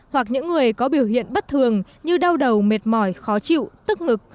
hoặc những người có biểu hiện bất thường như đau đầu mệt mỏi khó chịu tức ngực